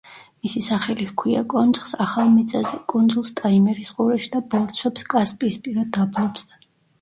მისი სახელი ჰქვია კონცხს ახალ მიწაზე, კუნძულს ტაიმირის ყურეში და ბორცვებს კასპიისპირა დაბლობზე.